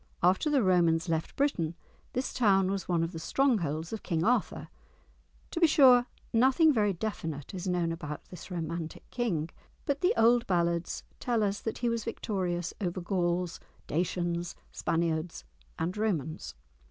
After the Romans left Britain this town was one of the strongholds of King Arthur; to be sure, nothing very definite is known about this romantic king, but the old ballads tell us that he was victorious over Gauls, Dacians, Spaniards, and Romans.